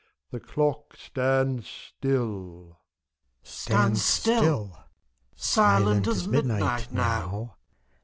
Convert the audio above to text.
The clock stands still — CHORUS. Stands still ! silent as midnight, now